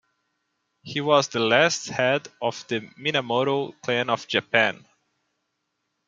He was the last head of the Minamoto clan of Japan.